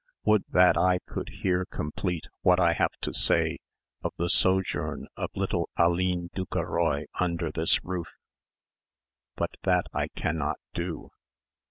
"Would that I could here complete what I have to say of the sojourn of little Aline Ducorroy under this roof.... But that I cannot do.